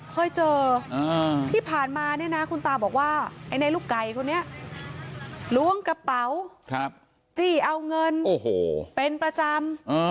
เคยเจอที่ผ่านมาเนี่ยนะคุณตาบอกว่าไอ้ในลูกไก่คนนี้ล้วงกระเป๋าจี้เอาเงินเป็นประจำ